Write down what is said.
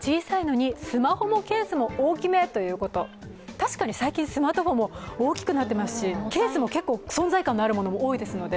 確かに最近、スマートフォンも大きくなっていますしケースも結構存在感が大きいものが多いですので。